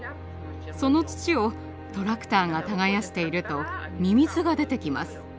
その土をトラクターが耕しているとミミズが出てきます。